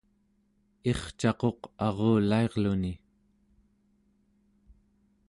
ircaquq arulairluni